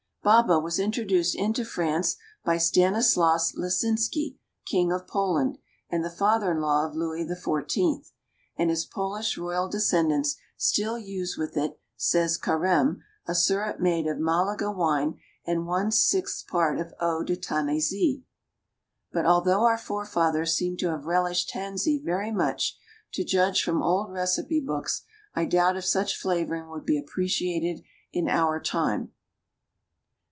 Baba was introduced into France by Stanislas Leczinski, king of Poland, and the father in law of Louis XIV.; and his Polish royal descendants still use with it, says Carême, a syrup made of Malaga wine and one sixth part of eau de tanaisie. But, although our forefathers seemed to have relished tansy very much, to judge from old recipe books, I doubt if such flavoring would be appreciated in our time.